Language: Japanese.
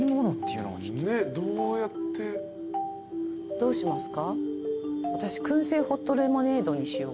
どうしますか？